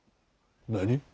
何？